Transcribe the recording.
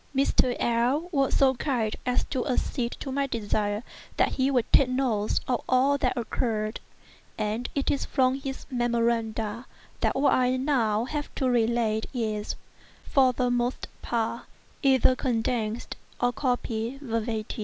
Mr. L—l was so kind as to accede to my desire that he would take notes of all that occurred, and it is from his memoranda that what I now have to relate is, for the most part, either condensed or copied verbatim.